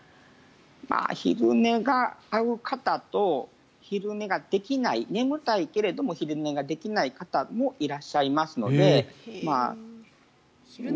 昼寝が合う方と昼寝ができない眠たいけど昼寝ができない方もいらっしゃいますので。